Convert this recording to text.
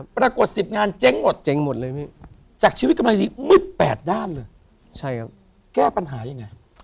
ปรากฏ๑๐งานเจ๊งหมดจากชีวิตกำไรนี้มึดแปดด้านเลยแก้ปัญหายังไง